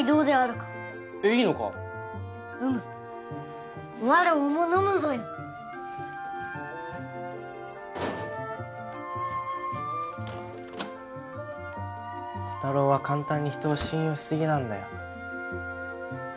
コタローは簡単に人を信用しすぎなんだよ。